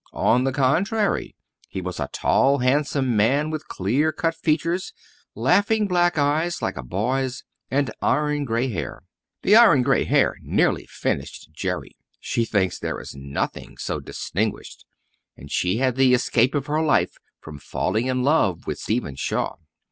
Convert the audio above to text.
On the contrary, he was a tall, handsome man with clear cut features, laughing black eyes like a boy's, and iron grey hair. That iron grey hair nearly finished Jerry; she thinks there is nothing so distinguished and she had the escape of her life from falling in love with Stephen Shaw.